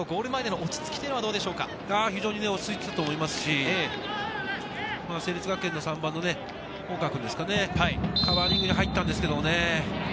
落ち着いていたと思いますし、成立学園の３番の大川君ですかね、カバーリングに入ったんですけどね。